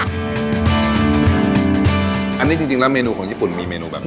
อันนี้จริงแล้วเมนูของญี่ปุ่นมีเมนูแบบ